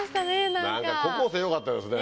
何か高校生よかったですね。